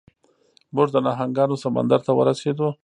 موږ د نهنګانو سمندر ته ورسیدو.